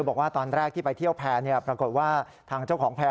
บอกว่าตอนแรกที่ไปเที่ยวแพร่ปรากฏว่าทางเจ้าของแพร่